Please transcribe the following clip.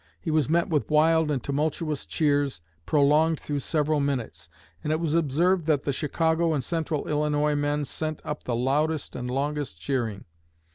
He was met with wild and tumultuous cheers, prolonged through several minutes; and it was observed that the Chicago and Central Illinois men sent up the loudest and longest cheering.